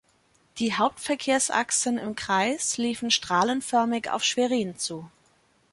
Die Hauptverkehrsachsen im Kreis liefen strahlenförmig auf Schwerin zu.